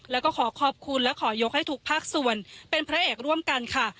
แล้วก็ขอขอบคุณและขอยกให้ทุกภาคส่วนเป็นพระเอกร่วมกันค่ะ